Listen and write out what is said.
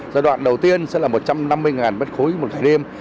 giai đoạn đầu tiên sẽ là một trăm năm mươi m ba một ngày đêm